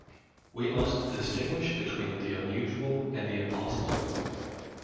We must distinguish between the unusual and the impossible.